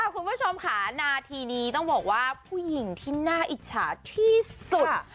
คุณผู้ชมค่ะนาทีนี้ต้องบอกว่าผู้หญิงที่น่าอิจฉาที่สุด